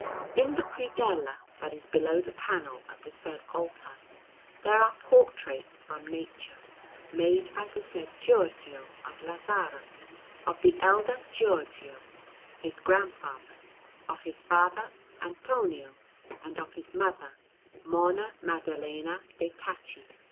In the predella that is below the panel of the said altar there are portraits from nature, made by the said Giorgio, of Lazzaro, of the elder Giorgio, his grandfather, of his father Antonio, and of his mother Monna Maddalena de' Tacci.